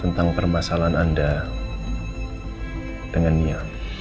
tentang permasalahan anda dengan niat